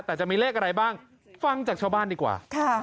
แต่จะมีเลขอะไรบ้างฟังจากชาวบ้านดีกว่า